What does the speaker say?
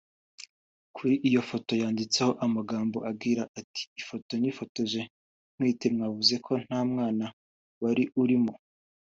Kuri iyi foto yanditseho amagambo agira ati “Ifoto nifotoje ntwite mwavuze ko nta mwana wari urimo